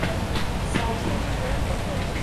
收皮